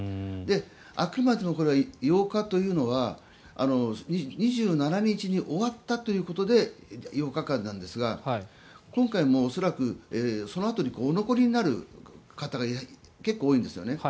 あくまでもこれは８日というのは２７日に終わったということで８日間なんですが今回も恐らくそのあとにお残りになる方が結構多いんですよね。